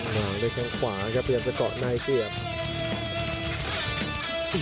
หวางด้วยแข่งขวาครับเพียงจะเกาะหน้าอีกทีครับ